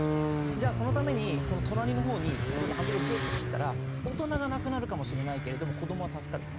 じゃあそのために隣のほうに例えばハンドルをギュッと切ったら大人が亡くなるかもしれないけれども子どもは助かると。